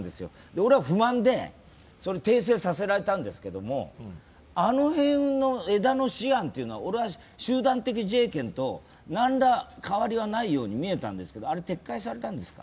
俺は不満で、訂正させられたんですけれども、あの辺の枝野私案っていうのは、俺は集団的自衛権と何ら変わりがないように思ったんですが、撤回されたんですか。